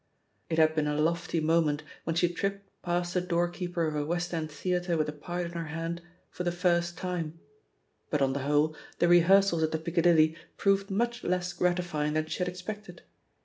It had been a lofty moment when she tripped past the doorkeeper of a West End theatre with a part in her hand for the first time ; but, on the whole, the rehearsals at the Piccadilly proved much less gratifying than she had expected.